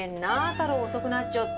太郎遅くなっちょって。